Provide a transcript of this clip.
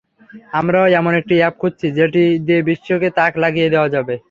আমরাও এমন একটি অ্যাপ খুঁজছি, যেটি দিয়ে বিশ্বকে তাক লাগিয়ে দেওয়া যাবে।